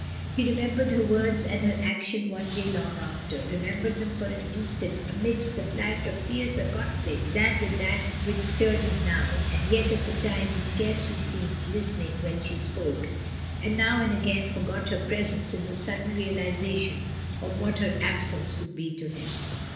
He remembered her words and her action one day long after, remembered them for an instant amidst the flash of fiercer conflict than that which stirred him now; and yet at the time he scarcely seemed listening when she spoke, and now and again forgot her presence in the sudden realisation of what her absence would be to him.